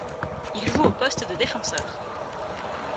Il joue au poste de défenseur.